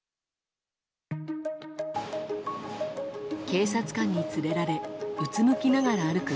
警察官に連れられうつむきながら歩く